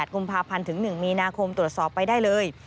กุมภาพันธ์ถึง๑มีนาคมตรวจสอบไปได้เลย